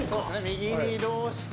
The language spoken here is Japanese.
右に移動して。